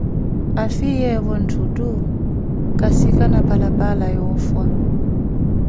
Aafiyeevo ntthutto khusikana Palappala oofha.